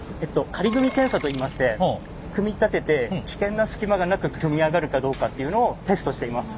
仮組み検査といいまして組み立てて危険な隙間がなく組み上がるかどうかっていうのをテストしています。